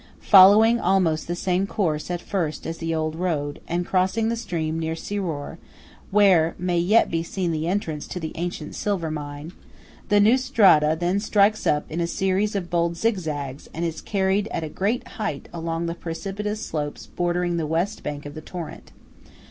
Following almost the same course at first as the old road, and crossing the stream near Siror, (where may yet be seen the entrance to the ancient silver mine) the new 'strada' then strikes up in a series of bold zigzags, and is carried at a great height along the precipitous slopes bordering the west bank of the torrent.